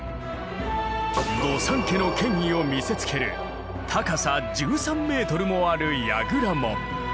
御三家の権威を見せつける高さ１３ｍもある櫓門。